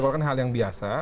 kalau kan hal yang biasa